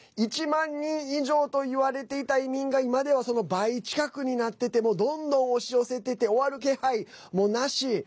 １万人以上といわれていた移民が今では、その倍近くになっててどんどん押し寄せてて終わる気配、なし。